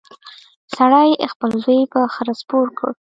سړي خپل زوی په خره سپور کړ.